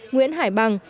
nguyễn hải bằng